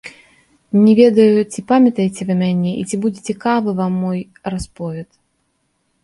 Не ведаю, ці памятаеце вы мяне і ці будзе цікавы вам мой расповед.